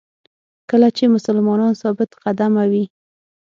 کله چې مسلمان ثابت قدمه وي.